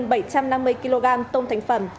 gần bảy trăm năm mươi kg tông thành phẩm